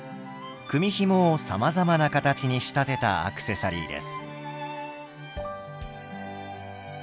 組みひもをさまざまな形に仕立てたアクセサリーです。